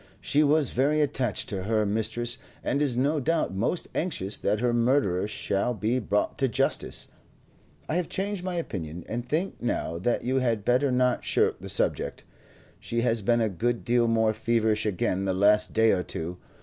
"She was very attached to her mistress, and is no doubt most anxious that her murderer shall be brought to justice. I have changed my opinion, and think now that you had better not shirk the subject. She has been a good deal more feverish again the last day or two.